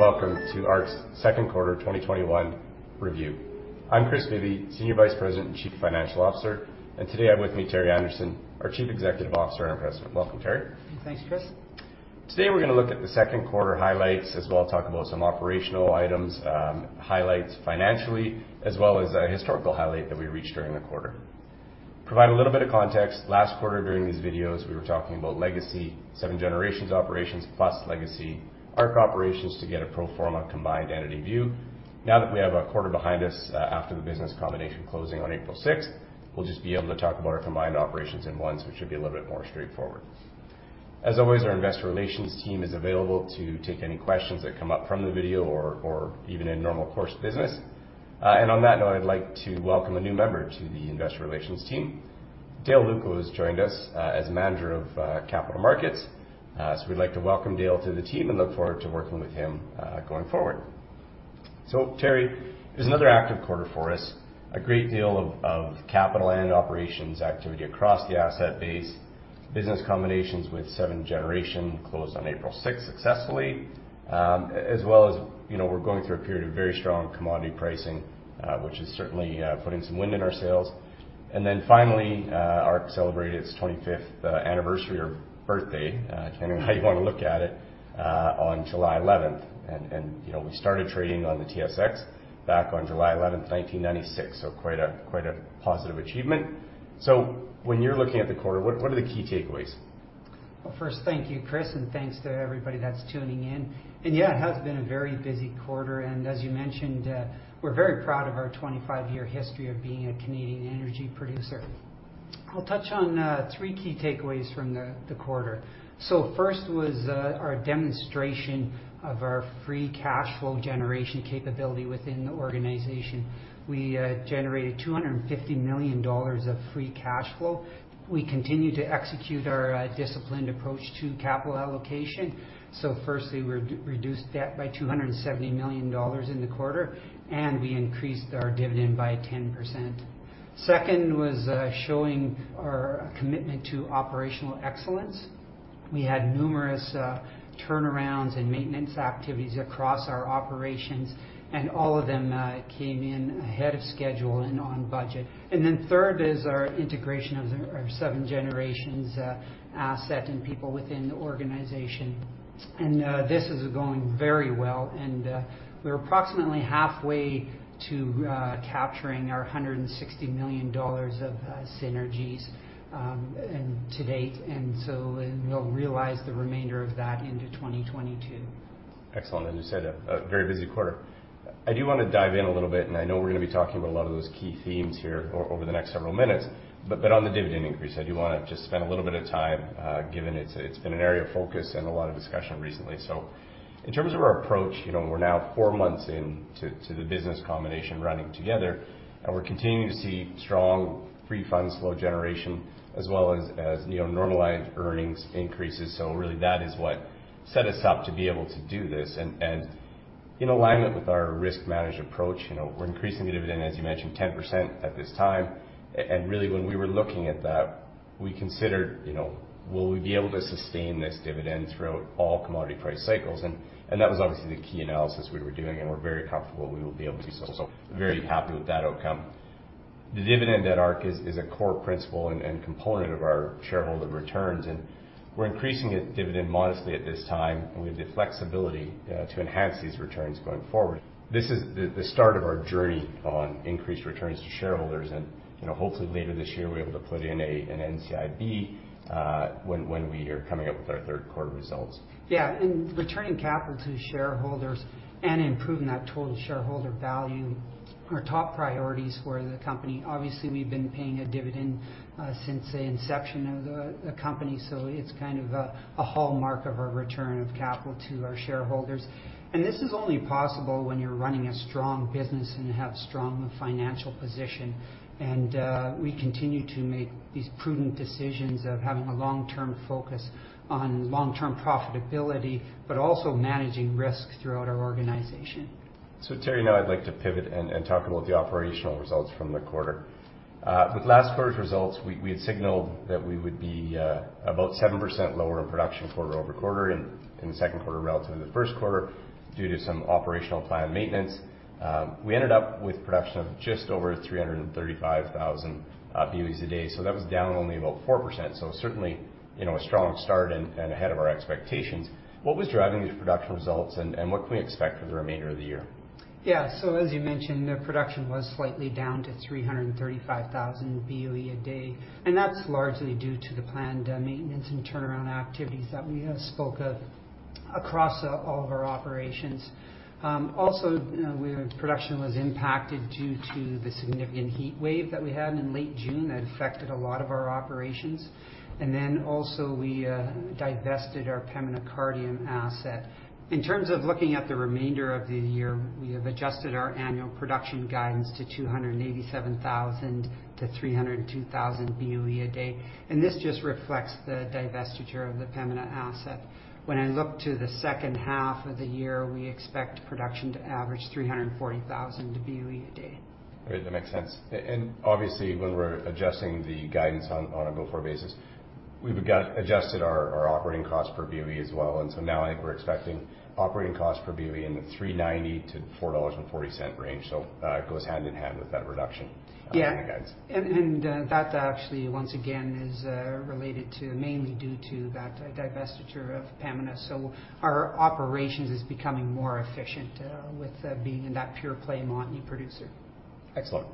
Hello, welcome to ARC's Second Quarter 2021 Review. I'm Kris Bibby, Senior Vice President and Chief Financial Officer. Today I have with me Terry Anderson, our Chief Executive Officer and President. Welcome, Terry. Thanks, Kris. Today, we're going to look at the second quarter highlights, as well talk about some operational items, highlights financially, as well as a historical highlight that we reached during the quarter. Provide a little bit of context. Last quarter during these videos, we were talking about legacy Seven Generations operations plus legacy ARC operations to get a pro forma combined entity view. Now that we have a quarter behind us after the business combination closing on April 6th, we'll just be able to talk about our combined operations in one, so it should be a little bit more straightforward. As always, our investor relations team is available to take any questions that come up from the video or even in normal course business. On that note, I'd like to welcome a new member to the investor relations team. Dale Lewko has joined us as Manager of Capital Markets. We'd like to welcome Dale to the team and look forward to working with him going forward. Terry, it was another active quarter for us. A great deal of capital and operations activity across the asset base. Business combinations with Seven Generations closed on April 6th successfully. As well as we're going through a period of very strong commodity pricing, which is certainly putting some wind in our sails. Finally, ARC celebrated its 25th anniversary or birthday, depending on how you want to look at it, on July 11th. We started trading on the TSX back on July 11th, 1996, so quite a positive achievement. When you're looking at the quarter, what are the key takeaways? First, thank you, Kris, and thanks to everybody that's tuning in. Yeah, it has been a very busy quarter, and as you mentioned, we're very proud of our 25-year history of being a Canadian energy producer. I'll touch on three key takeaways from the quarter. First was our demonstration of our free cash flow generation capability within the organization. We generated 250 million dollars of free cash flow. We continue to execute our disciplined approach to capital allocation. Firstly, we reduced debt by 270 million dollars in the quarter, and we increased our dividend by 10%. Second was showing our commitment to operational excellence. We had numerous turnarounds and maintenance activities across our operations, and all of them came in ahead of schedule and on budget. Third is our integration of our Seven Generations asset and people within the organization. This is going very well. We're approximately halfway to capturing our 160 million dollars of synergies to date, and so we'll realize the remainder of that into 2022. Excellent. As you said, a very busy quarter. I do want to dive in a little bit, and I know we're going to be talking about a lot of those key themes here over the next several minutes, but on the dividend increase, I do want to just spend a little bit of time, given it's been an area of focus and a lot of discussion recently. In terms of our approach, we're now four months into the business combination running together, and we're continuing to see strong free cash flow generation as well as normalized earnings increases. Really that is what set us up to be able to do this. In alignment with our risk-managed approach, we're increasing the dividend, as you mentioned, 10% at this time. Really when we were looking at that, we considered will we be able to sustain this dividend throughout all commodity price cycles? That was obviously the key analysis we were doing, and we're very comfortable we will be able to. Very happy with that outcome. The dividend at ARC is a core principle and component of our shareholder returns, and we're increasing it, dividend modestly at this time, and we have the flexibility to enhance these returns going forward. This is the start of our journey on increased returns to shareholders, and hopefully later this year, we're able to put in an NCIB, when we are coming up with our third quarter results. Yeah. Returning capital to shareholders and improving that total shareholder value are top priorities for the company. Obviously, we've been paying a dividend since the inception of the company, so it's kind of a hallmark of our return of capital to our shareholders. This is only possible when you're running a strong business and have strong financial position. We continue to make these prudent decisions of having a long-term focus on long-term profitability, but also managing risk throughout our organization. Terry, now I'd like to pivot and talk about the operational results from the quarter. With last quarter's results, we had signaled that we would be about 7% lower in production quarter-over-quarter in the second quarter relative to the first quarter due to some operational plan maintenance. We ended up with production of just over 335,000 BOE a day. That was down only about 4%. Certainly, a strong start and ahead of our expectations. What was driving these production results, and what can we expect for the remainder of the year? As you mentioned, the production was slightly down to 335,000 BOE a day, and that's largely due to the planned maintenance and turnaround activities that we have spoke of across all of our operations. Production was impacted due to the significant heat wave that we had in late June that affected a lot of our operations. We divested our Pembina Cardium asset. In terms of looking at the remainder of the year, we have adjusted our annual production guidance to 287,000-302,000 BOE a day, and this just reflects the divestiture of the Pembina asset. When I look to the second half of the year, we expect production to average 340,000 BOE a day. Great. That makes sense. Obviously, when we're adjusting the guidance on a go-forward basis, We've adjusted our operating cost per BOE as well. Now I think we're expecting operating cost per BOE in the 3.90-4.40 dollars range. That goes hand in hand with that reduction. Yeah In guidance. That actually, once again, is related to mainly due to that divestiture of Pembina. Our operations is becoming more efficient with being in that pure-play Montney producer. Excellent.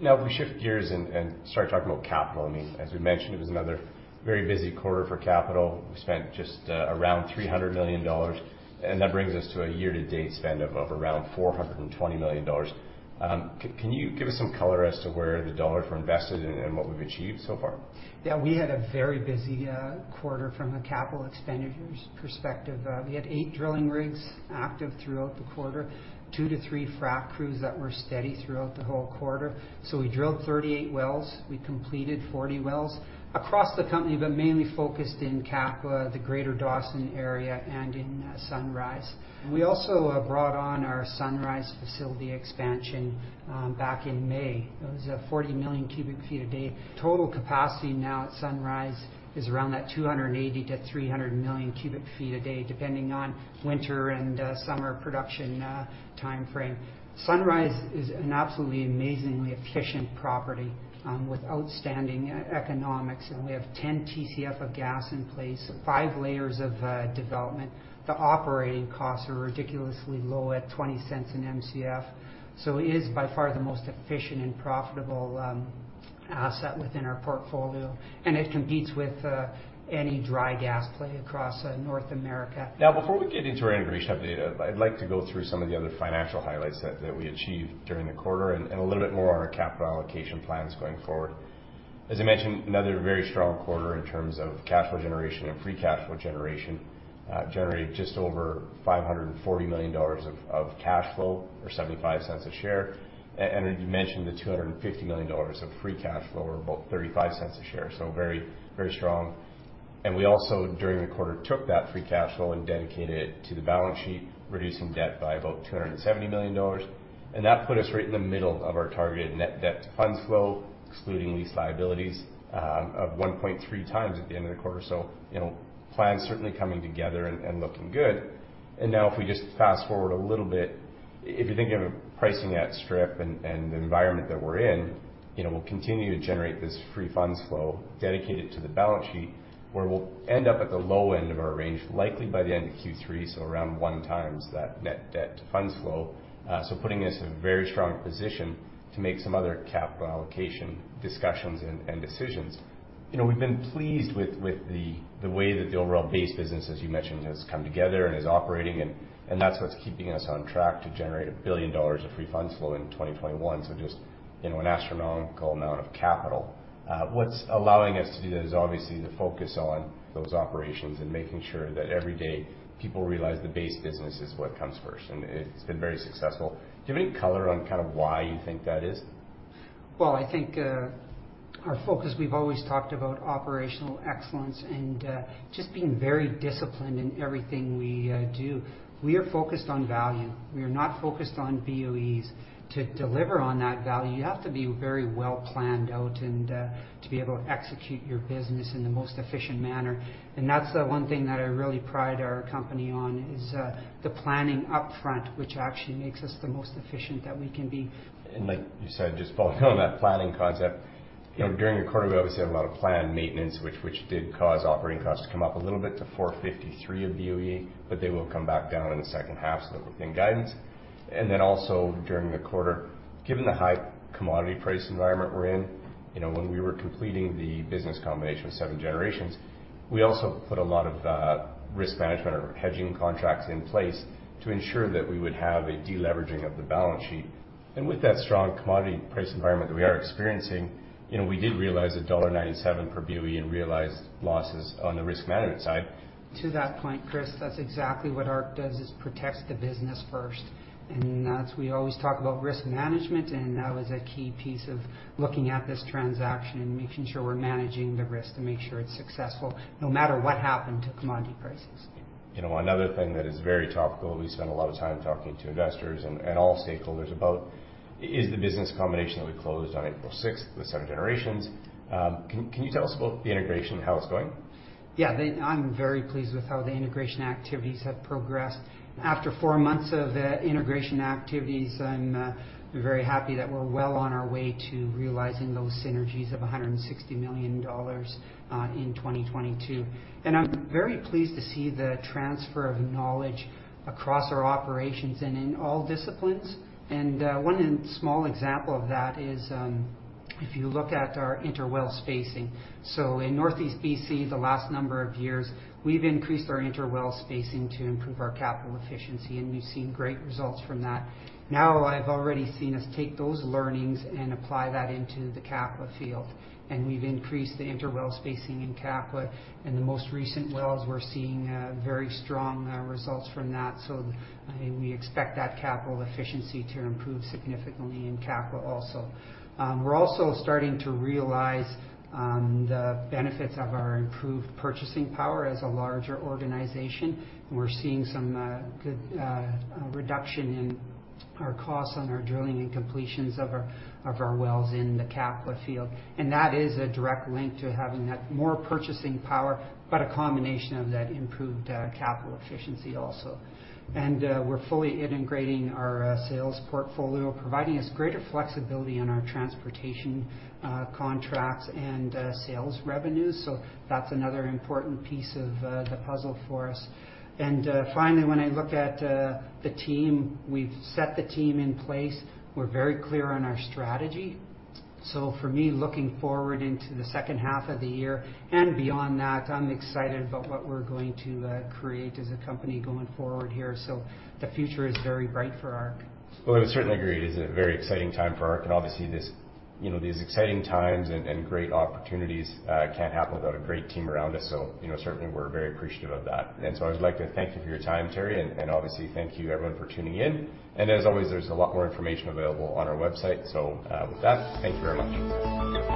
Now, if we shift gears and start talking about capital. As we mentioned, it was another very busy quarter for capital. We spent just around 300 million dollars, and that brings us to a year-to-date spend of around 420 million dollars. Can you give us some color as to where the dollars were invested and what we've achieved so far? Yeah. We had a very busy quarter from a capital expenditures perspective. We had eight drilling rigs active throughout the quarter, two to three frac crews that were steady throughout the whole quarter. We drilled 38 wells. We completed 40 wells across the company, but mainly focused in Kakwa, the Greater Dawson area, and in Sunrise. We also brought on our Sunrise facility expansion back in May. It was a 40 million cubic feet a day. Total capacity now at Sunrise is around that 280 million-300 million cubic feet a day, depending on winter and summer production timeframe. Sunrise is an absolutely amazingly efficient property with outstanding economics, and we have 10 TCF of gas in place, five layers of development. The operating costs are ridiculously low at 0.20 in MCF. It is by far the most efficient and profitable asset within our portfolio, and it competes with any dry gas play across North America. Now, before we get into our integration update, I'd like to go through some of the other financial highlights that we achieved during the quarter and a little bit more on our capital allocation plans going forward. As I mentioned, another very strong quarter in terms of cash flow generation and free cash flow generation, generated just over 540 million dollars of cash flow or 0.75 a share. As you mentioned, the 250 million dollars of free cash flow or about 0.35 a share. Very strong. We also, during the quarter, took that free cash flow and dedicated it to the balance sheet, reducing debt by about 270 million dollars. That put us right in the middle of our targeted net debt to funds flow, excluding lease liabilities of 1.3 times at the end of the quarter. Plans certainly coming together and looking good. Now if we just fast-forward a little bit, if you think of pricing at strip and the environment that we're in, we'll continue to generate this free funds flow dedicated to the balance sheet, where we'll end up at the low end of our range, likely by the end of Q3, so around one time that net debt to funds flow. Putting us in a very strong position to make some other capital allocation discussions and decisions. We've been pleased with the way that the overall base business, as you mentioned, has come together and is operating, and that's what's keeping us on track to generate 1 billion dollars of free funds flow in 2021. Just an astronomical amount of capital. What's allowing us to do that is obviously the focus on those operations and making sure that every day people realize the base business is what comes first, and it's been very successful. Do you have any color on why you think that is? Well, I think our focus, we've always talked about operational excellence and just being very disciplined in everything we do. We are focused on value. We are not focused on BOEs. To deliver on that value, you have to be very well planned out and to be able to execute your business in the most efficient manner. That's the one thing that I really pride our company on, is the planning upfront, which actually makes us the most efficient that we can be. Like you said, just following on that planning concept, during the quarter, we obviously had a lot of planned maintenance, which did cause operating costs to come up a little bit to 453 of BOE, but they will come back down in the second half, so they're within guidance. Then also during the quarter, given the high commodity price environment we're in, when we were completing the business combination with Seven Generations, we also put a lot of risk management or hedging contracts in place to ensure that we would have a de-leveraging of the balance sheet. With that strong commodity price environment that we are experiencing, we did realize a dollar 1.97 per BOE in realized losses on the risk management side. To that point, Kris, that's exactly what ARC does, is protects the business first. As we always talk about risk management, that was a key piece of looking at this transaction and making sure we're managing the risk to make sure it's successful no matter what happened to commodity prices. Another thing that is very topical, we spend a lot of time talking to investors and all stakeholders about, is the business combination that we closed on April 6th with Seven Generations. Can you tell us about the integration and how it's going? Yeah. I'm very pleased with how the integration activities have progressed. After four months of integration activities, I'm very happy that we're well on our way to realizing those synergies of 160 million dollars in 2022. I'm very pleased to see the transfer of knowledge across our operations and in all disciplines. One small example of that is if you look at our inter-well spacing. In Northeast B.C., the last number of years, we've increased our inter-well spacing to improve our capital efficiency, and we've seen great results from that. Now I've already seen us take those learnings and apply that into the Kakwa field. We've increased the inter-well spacing in Kakwa, and the most recent wells, we're seeing very strong results from that. I think we expect that capital efficiency to improve significantly in Kakwa also. We're also starting to realize the benefits of our improved purchasing power as a larger organization. We're seeing some good reduction in our costs on our drilling and completions of our wells in the Kakwa field. That is a direct link to having that more purchasing power, but a combination of that improved capital efficiency also. We're fully integrating our sales portfolio, providing us greater flexibility in our transportation contracts and sales revenues. That's another important piece of the puzzle for us. Finally, when I look at the team, we've set the team in place. We're very clear on our strategy. For me, looking forward into the second half of the year and beyond that, I'm excited about what we're going to create as a company going forward here. The future is very bright for ARC. I would certainly agree. It is a very exciting time for ARC, obviously these exciting times and great opportunities can't happen without a great team around us, certainly, we're very appreciative of that. I would like to thank you for your time, Terry, obviously thank you everyone for tuning in. As always, there's a lot more information available on our website. With that, thank you very much.